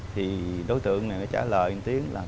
thì đối tượng này trả lời một tiếng là